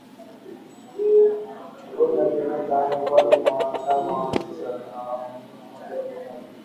ugonjwa wa kimeta miongoni mwa wanadamu huhusishwa na mgusano wa moja kwa moja